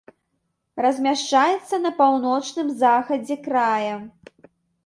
Размяшчаецца на паўночным захадзе края.